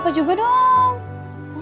berhenti malah dianggap seperti